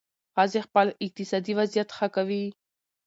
ښځې خپل اقتصادي وضعیت ښه کوي.